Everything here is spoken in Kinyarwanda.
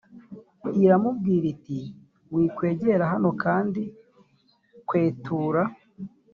iramubwira iti wikwegera hano kandi kwetura